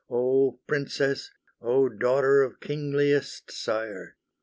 O Princess, oh daughter of kingliest sire!